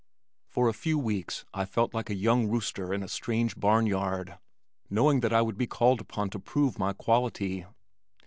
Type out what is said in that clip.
For a few weeks I felt like a young rooster in a strange barn yard, knowing that I would be called upon to prove my quality.